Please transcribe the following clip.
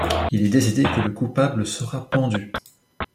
Il est décidé que le coupable sera pendu.